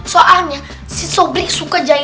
soalnya si sobri suka jahilin